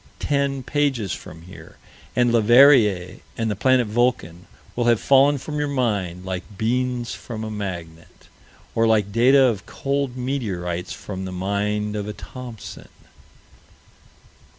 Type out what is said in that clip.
Ten pages from here, and Leverrier and the "planet Vulcan" will have fallen from your mind, like beans from a magnet, or like data of cold meteorites from the mind of a Thomson.